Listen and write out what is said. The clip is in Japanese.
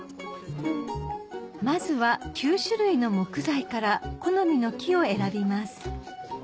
まずは９種類の木材から好みの木を選びます